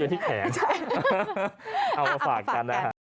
ตอนถามก็กลลงล้อม